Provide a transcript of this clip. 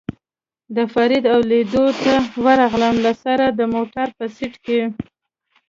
د فرید او لېدلو ته ورغلم، له سره د موټر په سېټ کې.